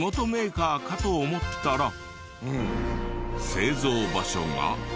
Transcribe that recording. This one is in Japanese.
製造場所が。